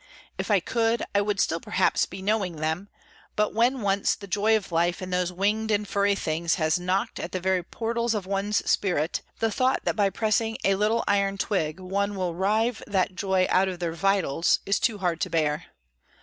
If I could, I would still perhaps be knowing them; but when once the joy of life in those winged and furry things has knocked at the very portals of one's spirit, the thought that by pressing a little iron twig one will rive that joy out of their vitals, is too hard to bear.